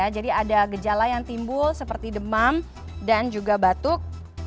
ada gejala yang timbul seperti demam dan juga batuk